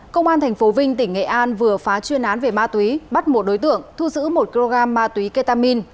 công an tp vinh tỉnh nghệ an vừa phá chuyên án về ma túy bắt một đối tượng thu giữ một kg ma túy ketamin